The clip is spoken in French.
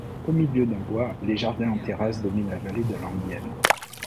Au milieu d'un bois, les jardins en terrasse dominent la vallée de l'Anguienne.